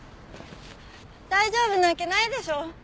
大丈夫なわけないでしょ！